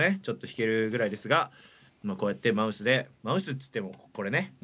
ちょっと弾けるぐらいですがまあこうやってマウスでマウスっつってもこれね。